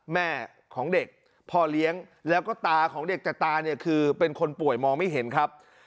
แม่ของเด็กพ่อเลี้ยงแล้วก็ตาของเด็กแต่ตาเนี่ยคือเป็นคนป่วยมองไม่เห็นครับ